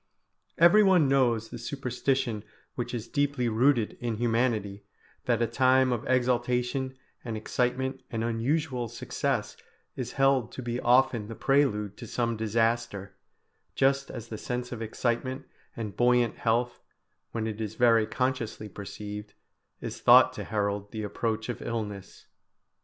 Everyone knows the superstition which is deeply rooted in humanity, that a time of exaltation and excitement and unusual success is held to be often the prelude to some disaster, just as the sense of excitement and buoyant health, when it is very consciously perceived, is thought to herald the approach of illness.